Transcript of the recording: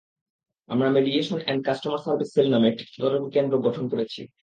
আমরা mediation and customer service cell নামে একটি তদারকি কেন্দ্র গঠন করেছি।